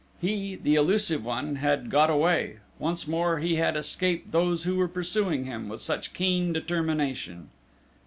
he, the elusive one, had got away: once more he had escaped those who were pursuing him with such keen determination!